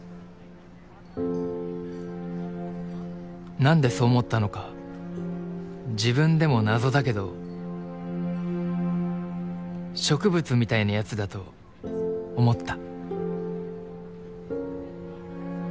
何でそう思ったのか自分でも謎だけど植物みたいなやつだと思った。